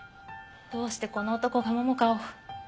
どうしてこの男が桃香を。